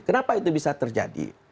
kenapa itu bisa terjadi